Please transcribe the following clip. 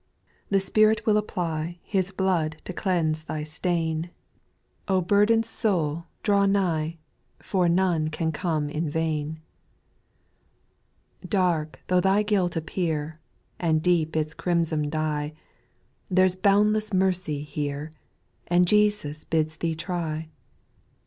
The Spirit will apply His blood to clcawsft t\v^ ^\a5«v\ ff 298 SPIRITUAL SONGS, O burdened soul, draw nigh, For none can come in vain. 2. Dark though thy guilt appear, And deep its crimson dye, There 's boundless mercy here. And Jesus bids thee try.